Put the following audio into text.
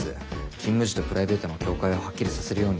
勤務時とプライベートの境界をはっきりさせるようにと。